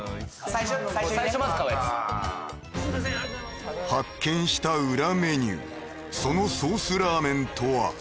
最初まず買うやつ発見した裏メニューそのソースラーメンとは？